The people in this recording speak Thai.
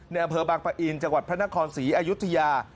อำเภอบางปะอินจังหวัดพระนครศรีอายุทยา